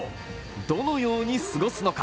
どのように過ごすのか。